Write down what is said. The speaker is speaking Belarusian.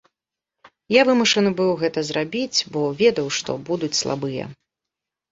Я вымушаны быў гэта зрабіць, бо ведаў, што будуць слабыя.